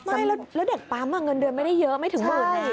ใช่แล้วเด็กปั๊มเงินเดือนไม่ได้เยอะไม่ถึงหมื่น